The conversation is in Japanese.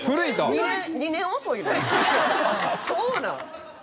そうなん？